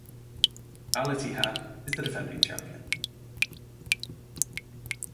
Al Ittihad is the defending champion.